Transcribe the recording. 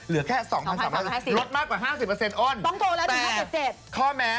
เหลือแค่๒๓๐๐บาทลดมากกว่า๕๐เปอร์เซ็นต์อ้อนแต่ต้องโทรแล้วถึง๕๗๗